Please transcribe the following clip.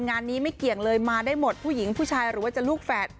งานนี้ไม่เกี่ยงเลยมาได้หมดผู้หญิงผู้ชายหรือว่าจะลูกแฝด